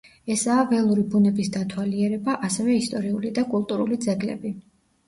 ესაა ველური ბუნების დათვალიერება, ასევე ისტორიული და კულტურული ძეგლები.